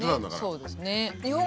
そうですね。